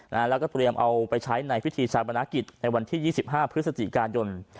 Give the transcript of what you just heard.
แล้วก็เตรียมเอาไปใช้ในพิธีชาปนากิจในวันที่๒๕พฤศจิกายน